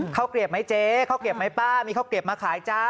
เข้าเกรียบไหมเจ๊เข้าเกรียบไหมป้ามีเข้าเกรียบมาขายจ้า